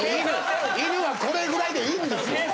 犬はこれぐらいでいいんですよ。